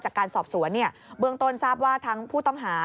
จากการสอบสวนเบื้องต้นทราบว่าทั้งผู้ต้องหา